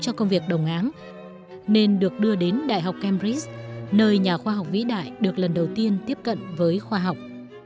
cho công việc đồng áng nên được đưa đến đại học cambridg nơi nhà khoa học vĩ đại được lần đầu tiên tiếp cận với khoa học